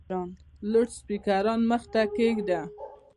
لوډسپیکران مخ ته کښېږده !